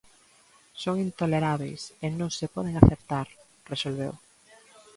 "Son intolerábeis e non se poden aceptar", resolveu.